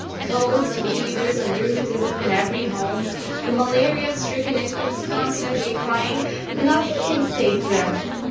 Colds and fevers and rheumatism in every home, the malaria stricken infants constantly crying, nothing can save them.